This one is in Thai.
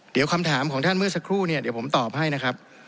เดี๋ยวคำถามของท่านเมื่อสักครู่เนี่ยเดี๋ยวผมตอบให้นะครับ